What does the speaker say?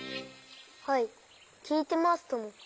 はいきいてますとも。